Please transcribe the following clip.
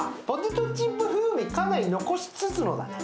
ポテトチップ風味、かなり残しつつのだ。